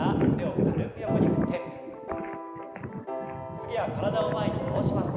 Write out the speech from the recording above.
次は体を前に倒します。